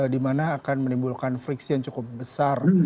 di mana akan menimbulkan friksi yang cukup besar